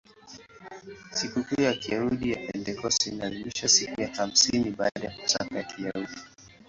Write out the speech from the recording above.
Sikukuu ya Kiyahudi ya Pentekoste inaadhimishwa siku ya hamsini baada ya Pasaka ya Kiyahudi.